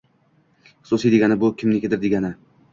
Xususiy degani bu “kimnikidir” degani.